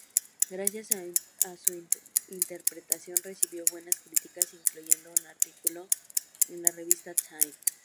Gracias a su interpretación, recibió buenas críticas, incluyendo un artículo en la revista "Time".